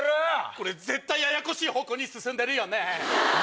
これ絶対ややこしい方向に進んでるよね。